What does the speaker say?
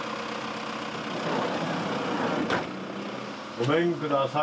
ごめんください。